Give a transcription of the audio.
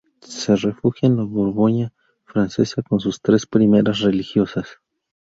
Se refugia en la Borgoña francesa con sus tres primeras religiosas.